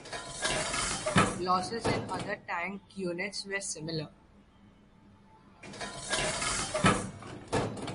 Losses in other tank units were similar.